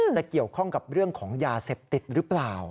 จะเกี่ยวข้องกับเรื่องของยาเสพติดหรือเปล่า